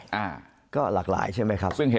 มุมนักวิจักรการมุมประชาชนทั่วไป